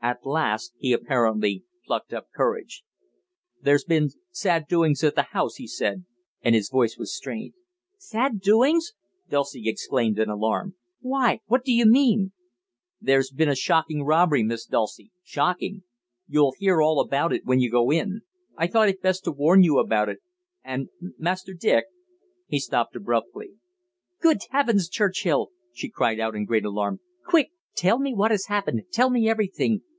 At last he apparently plucked up courage. "There's been sad doings at the house," he said, and his voice was strained. "Sad doings!" Dulcie exclaimed in alarm. "Why, what do you mean?" "There's been a shocking robbery, Miss Dulcie shocking. You'll hear all about it when you go in. I thought it best to warn you about it. And Master Dick " He stopped abruptly. "Good heavens, Churchill!" she cried out in great alarm, "quick, tell me what has happened, tell me everything.